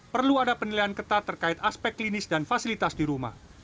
perlu ada penilaian ketat terkait aspek klinis dan fasilitas di rumah